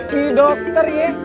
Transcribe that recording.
ini dokter ya